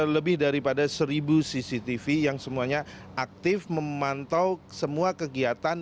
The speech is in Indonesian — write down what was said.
lebih daripada seribu cctv yang semuanya aktif memantau semua kegiatan